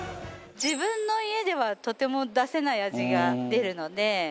自分の家ではとても出せない味が出るので。